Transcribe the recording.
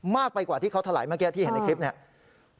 มากไปกว่าที่เขาถลายเมื่อกี้ที่เห็นในคลิปเนี่ย